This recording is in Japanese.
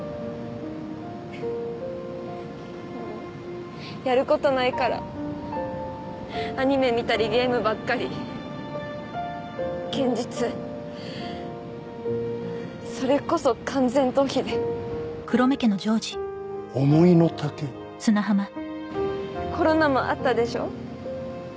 ふふっううんやることないからアニメ見たりゲームばっかり現実それこそ完全逃避で思いの丈コロナもあったでしょ？